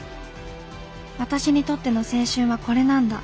私にとっての青春はこれなんだ